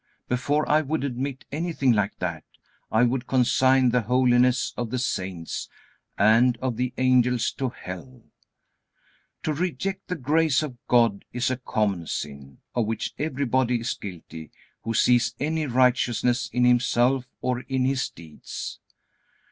Before I would admit anything like that, I would consign the holiness of the saints and of the angels to hell. To reject the grace of God is a common sin, of which everybody is guilty who sees any righteousness in himself or in his deeds.